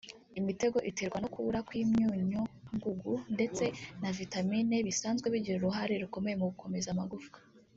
Imitego iterwa nu kubura kw’imyunyungugu ndetse na vitamine D bisanzwe bigira uruhare rukomeye mu gukomeza amagufwa